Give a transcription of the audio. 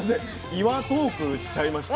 「岩トーク」しちゃいました。